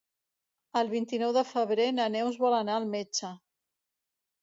El vint-i-nou de febrer na Neus vol anar al metge.